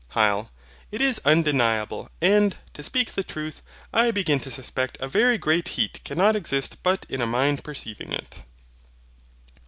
HYL. It is undeniable; and, to speak the truth, I begin to suspect a very great heat cannot exist but in a mind perceiving it.